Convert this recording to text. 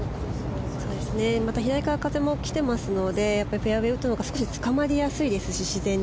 左から風も来ていますのでフェアウェーウッドのほうが少しつかまりやすいですし。